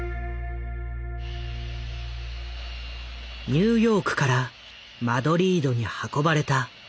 ニューヨークからマドリードに運ばれた「ゲルニカ」。